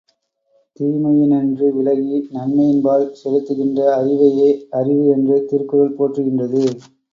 தீமையினின்றும் விலகி நன்மையின்பால் செலுத்துகின்ற அறிவையே அறிவு என்று திருக்குறள் போற்றுகின்றது.